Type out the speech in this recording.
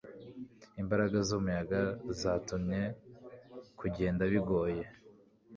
Imbaraga z'umuyaga zatumye kugenda bigoye.